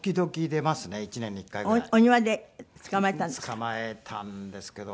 捕まえたんですけど。